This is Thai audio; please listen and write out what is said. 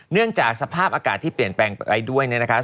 เนื่องจากสภาพอากาศที่เปลี่ยนแปลงไปด้วยเนี่ยนะครับ